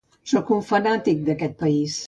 Sóc un fanàtic d'aquest país.